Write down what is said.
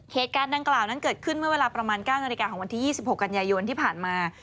เหตุการณ์ดังกล่าวนั้นเกิดขึ้นเมื่อเวลาประมาณ๙นาฬิกาของวันที่๒๖กันยายนที่ผ่านมา